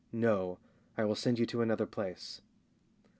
No! I will send you to another place.